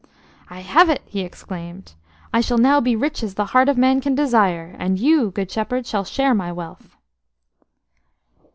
"I have it!" he exclaimed. "I shall now be rich as the heart of man can desire, and you, good shepherd, shall share my wealth."